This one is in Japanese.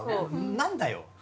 何だよ！